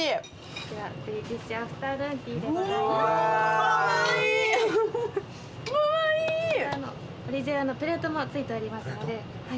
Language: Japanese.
こちらオリジナルのプレートも付いておりますので。